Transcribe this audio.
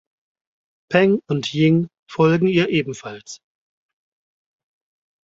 Peng und Jin folgen ihr ebenfalls.